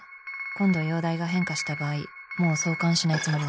今度容体が変化した場合もう挿管しないつもりです。